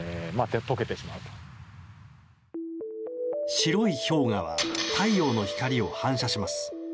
白い氷河は太陽の光を反射します。